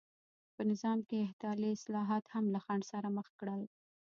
په نظام کې احتلي اصلاحات هم له خنډ سره مخ کړل.